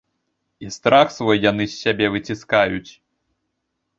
І страх свой яны з сябе выціскаюць.